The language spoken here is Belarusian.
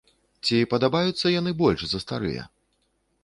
Ці падабаюцца яны больш за старыя?